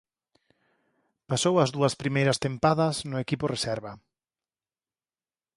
Pasou as dúas primeiras tempadas no equipo reserva.